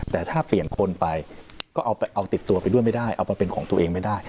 แต่ถ้าเปลี่ยนคนไปก็เอาติดตัวไปด้วยไม่ได้เอามาเป็นของตัวเองไม่ได้